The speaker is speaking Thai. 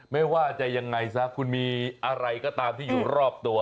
ไม่ว่าจะยังไงซะคุณมีอะไรก็ตามที่อยู่รอบตัว